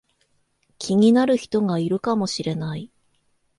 気になる人がいるかもしれない